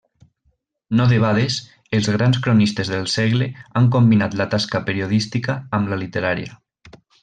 No debades, els grans cronistes del segle han combinat la tasca periodística amb la literària.